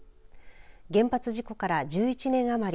原発事故から１１年余り。